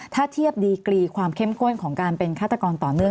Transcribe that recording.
ถ้าเทียบดีกรีความเข้มข้นของการเป็นฆาตกรต่อเนื่อง